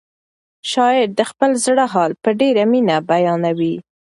شاعر د خپل زړه حال په ډېره مینه بیانوي.